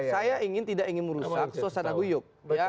saya ingin tidak ingin merusak suasana guyup